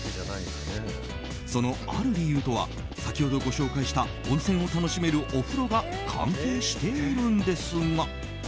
その、ある理由とは先ほどご紹介した温泉を楽しめるお風呂が関係しているんですが。